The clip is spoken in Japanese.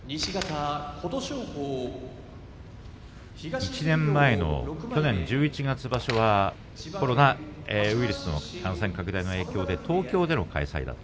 １年前の去年十一月場所はコロナウイルスの感染拡大の影響で東京での開催でした。